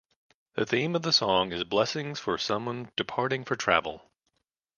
The theme of the song is blessings for someone departing for travel.